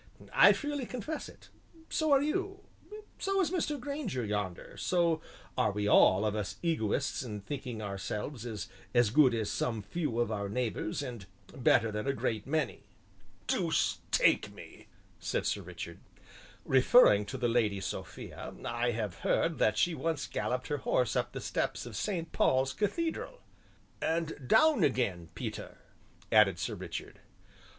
I freely confess it; so are you, so is Mr. Grainger yonder, so are we all of us egoists in thinking ourselves as good as some few of our neighbors and better than a great many." "Deuce take me!" said Sir Richard. "Referring to the Lady Sophia, I have heard that she once galloped her horse up the steps of St. Paul's Cathedral " "And down again, Peter," added Sir Richard.